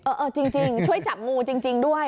เออจริงช่วยจับงูจริงด้วย